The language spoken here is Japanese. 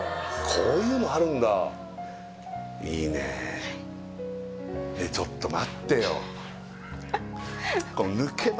こういうのあるんだいいねえちょっと見てよ